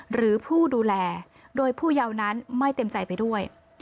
หรือผู้ดูแลโดยผู้เยาว์นั้นไม่เต็มใจไปด้วย